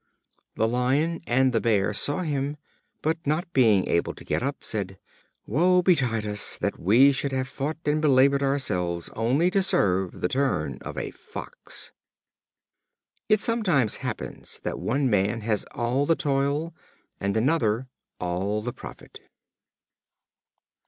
The Lion and the Bear saw him, but not being able to get up, said: "Woe betide us, that we should have fought and belabored ourselves only to serve the turn of a Fox!" It sometimes happens that one man has all the toil, and another all the profit.